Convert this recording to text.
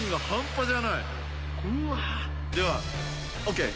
ではＯＫ。